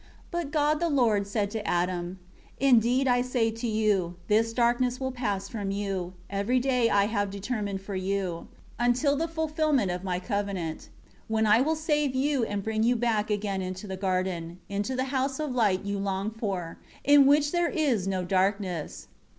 2 But God the Lord said to Adam, "Indeed I say to you, this darkness will pass from you, every day I have determined for you, until the fulfillment of My covenant; when I will save you and bring you back again into the garden, into the house of light you long for, in which there is no darkness*.